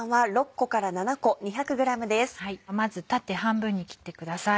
まず縦半分に切ってください。